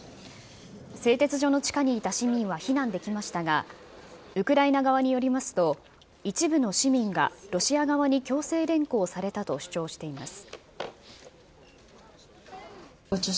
製鉄所の地下にいた市民は避難できましたが、ウクライナ側によりますと、一部の市民がロシア側に強制連行されたと主張しています。